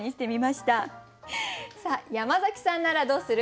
さあ山崎さんならどうする？